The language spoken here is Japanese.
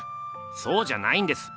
そうじゃないんです。